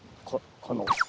この。